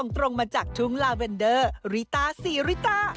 ตรงมาจากทุ่งลาเวนเดอร์ริตาซีริตา